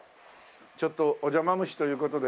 ちょっとお邪魔虫という事で。